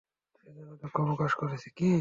সেজন্যে দুঃখপ্রকাশ করছি।